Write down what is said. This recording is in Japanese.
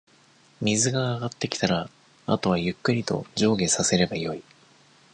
水が上がってきたら、あとはゆっくりと、上下させればよい。